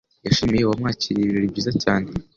Yashimiye uwamwakiriye ibirori byiza cyane.